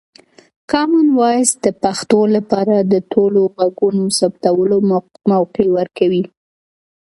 کامن وایس د پښتو لپاره د ټولو غږونو ثبتولو موقع ورکوي.